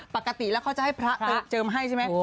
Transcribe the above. ปกติแล้วเขาจะให้พระเจิมให้ใช่ไหม